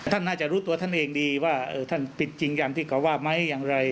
ท่านน่าจะรู้ตัวท่านเองดีว่าท่านผิดจริงอย่างที่เขาว่าไหมอย่างไร